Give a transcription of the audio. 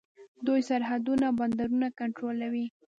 دوی سرحدونه او بندرونه کنټرولوي.